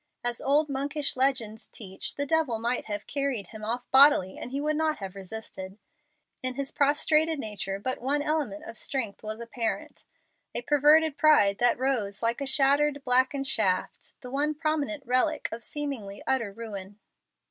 As old monkish legends teach, the devil might have carried him off bodily and he would not have resisted. In his prostrated nature, but one element of strength was apparent a perverted pride that rose like a shattered, blackened shaft, the one prominent relic of seemingly utter ruin.